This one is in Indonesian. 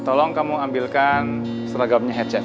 tolong kamu ambilkan seragamnya headset